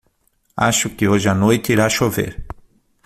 Acho que hoje a noite irá chover